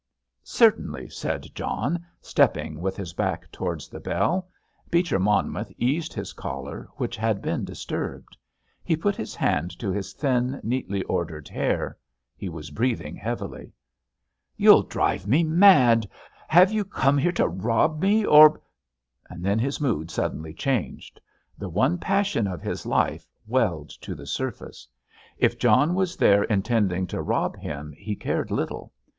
"Certainly," said John, stepping with his back towards the bell. Beecher Monmouth eased his collar, which had been disturbed. He put his hand to his thin, neatly ordered hair. He was breathing heavily. "You'll drive me mad. Have you come here to rob me, or——" Then his mood suddenly changed. The one passion of his life welled to the surface. If John was there intending to rob him he cared little.